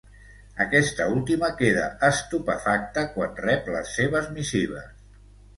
Aquesta última queda estupefacta quan rep les seves missives.